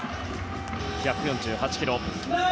１４８キロ。